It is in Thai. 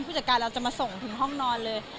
ผู้จัดการเราจะมาส่งถึงห้องนอนเลย